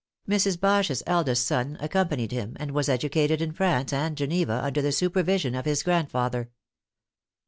Mrs. Bache's eldest son accompanied him, and was educated in France and Geneva under the supervision of his grandfather.